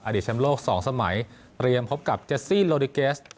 ดีแชมป์โลก๒สมัยเตรียมพบกับเจสซี่โลดิเกส